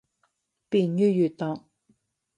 便于阅读